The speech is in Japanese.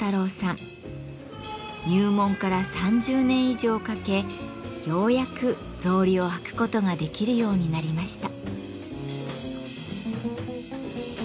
入門から３０年以上かけようやく草履を履くことができるようになりました。